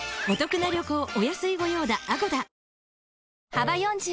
幅４０